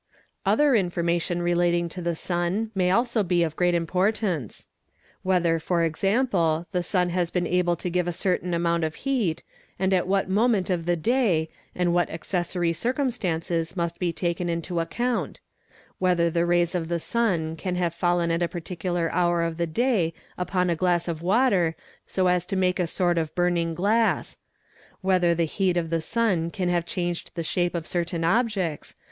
oe Other information relating to the sun may also be of great importance; _ whether for example the sun has been able to give a certain amount of 7 eat, and at what moment of the day, and what accessory circumstances | must be taken into account : whether the rays of the sun can have fallen at a particular hour of the day upon a glass of water so as to make a BR aS He, ape 222, THE EXPERT sort of burning glass: whether the heat of the sun can have changed the shape of certain objects, ¢.